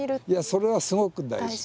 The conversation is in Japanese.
それはすごく大事。